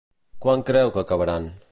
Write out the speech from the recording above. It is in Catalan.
Quan creu que acabaran?